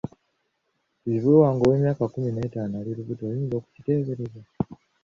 Kizibwe wange ow'emyaka ekkumi n'etaano ali lubuto, oyinza okukiteebereza?